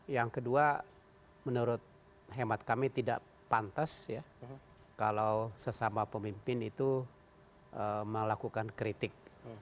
yang kedua menurut hemat kami tidak pantas ya kalau sesama pemimpin itu melakukan kritik